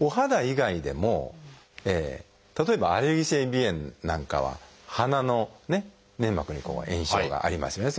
お肌以外でも例えばアレルギー性鼻炎なんかは鼻の粘膜に炎症がありますよね。